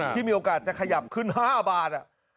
ที่มีโอกาสจะขยับขึ้น๕บาท